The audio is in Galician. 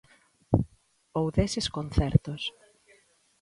Ou deses concertos.